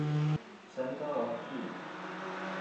Send that off, Jeeves.